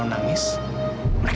aku akan berhenti